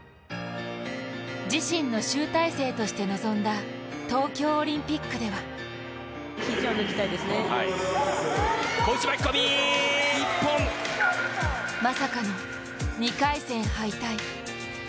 自身の集大成として臨んだ東京オリンピックではまさかの２回戦敗退。